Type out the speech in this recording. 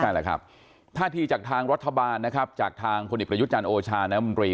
นั่นแหละครับท่าทีจากทางรัฐบาลนะครับจากทางพลเอกประยุทธ์จันทร์โอชาน้ำมนตรี